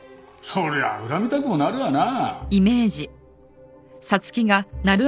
そりゃあ恨みたくもなるわな。